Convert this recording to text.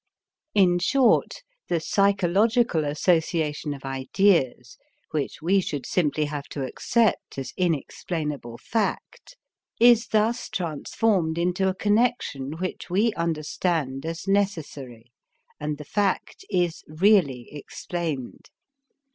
In short, the psychological association of ideas, which we should simply have to accept as inexplainable fact, is thus transformed into a connection which we understand as necessary; and the fact is really explained.